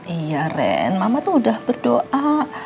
iya ren mama tuh udah berdoa